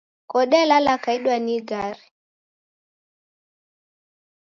Kodelala kaidwa ni igare